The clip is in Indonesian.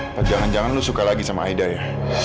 apa jangan jangan lu suka lagi sama aida ya